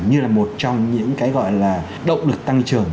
như là một trong những cái gọi là động lực tăng trưởng